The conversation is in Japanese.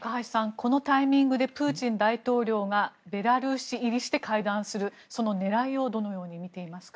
このタイミングでプーチン大統領がベラルーシ入りして会談するその狙いをどのように見ていますか？